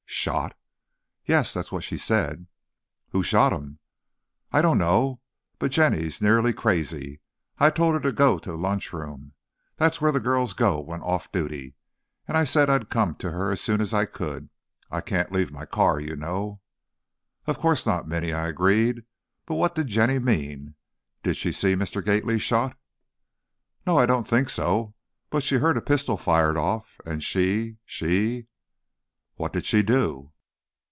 "Shot?" "Yes, that's what she said " "Who shot him?" "I don't know, but Jenny was nearly crazy! I told her to go to the lunchroom, that's where the girls go when off duty, and I said I'd come to her as soon as I could. I can't leave my car, you know." "Of course not, Minny," I agreed; "but what did Jenny mean? Did she see Mr. Gately shot?" "No, I don't think so, but she heard a pistol fired off, and she she " "What did she do?"